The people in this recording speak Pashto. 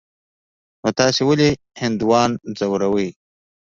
نو تاسې ولي هندوان ځوروئ.